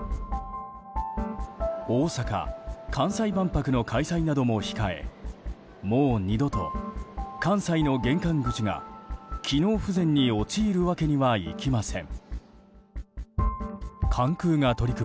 大阪・関西万博の開催なども控えもう二度と、関西の玄関口が機能不全に陥るわけにはいきません。